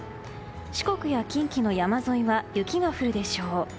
四国や近畿の山沿いは雪が降るでしょう。